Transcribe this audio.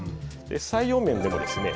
採用面でもですね